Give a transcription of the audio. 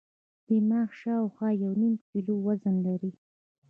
دماغ شاوخوا یو نیم کیلو وزن لري.